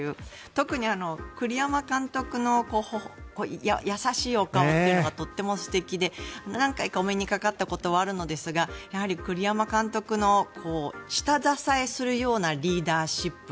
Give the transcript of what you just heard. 特に、栗山監督の優しいお顔というのがとっても素敵で何回かお目にかかったことはあるのですがやはり栗山監督の下支えするようなリーダーシップ。